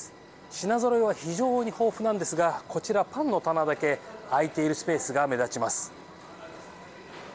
品ぞろえは非常に豊富なんですがこちら、パンの棚だけ空いているスペースが目立ちます。